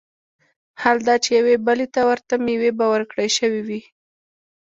حال دا چي يوې بلي ته ورته مېوې به وركړى شوې وي